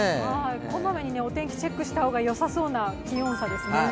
こまめにお天気をチェックした方がよさそうな気温差ですね。